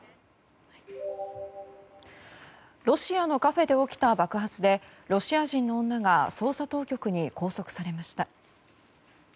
ロシアのカフェで起きた爆発でロシア人の女が捜査当局に拘束されました。